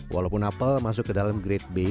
walaupun apel masuk ke dalam grade b